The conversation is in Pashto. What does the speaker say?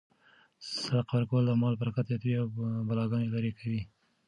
صدقه ورکول د مال برکت زیاتوي او بلاګانې لیرې کوي.